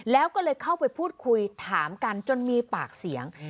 แล้วก็เลยเข้าไปพูดคุยถามกันจนมีปากเสียง